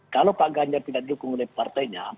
kalau pak ganjar tidak di dukung oleh partainya